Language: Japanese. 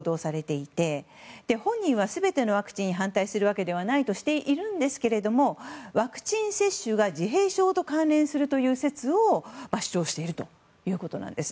なぜかといいますと反ワクチン運動家と報道されていて本人は全てのワクチンに反対するわけではないとしているんですけれどもワクチン接種が自閉症と関連するという説を主張しているということです。